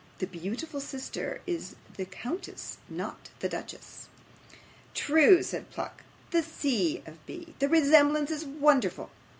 'The beautiful sister is the countess; not the duchess.' 'True,' said Pluck, 'the C. of B. The resemblance is wonderful!